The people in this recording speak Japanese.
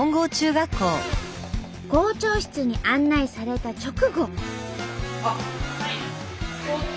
校長室に案内された直後。